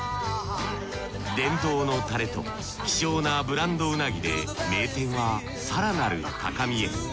伝統のたれと希少なブランドうなぎで名店は更なる高みへ。